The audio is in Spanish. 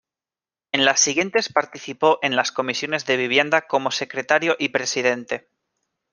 En las siguientes participó en las comisiones de Vivienda como secretario y presidente.